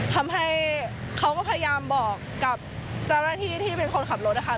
ทำให้เขาก็พยายามบอกกับเจ้าหน้าที่ที่เป็นคนขับรถนะคะ